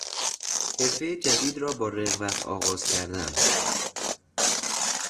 حرفهی جدید را با رغبت آغاز کردن